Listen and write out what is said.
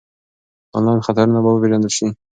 انلاین خطرونه به وپېژندل شي.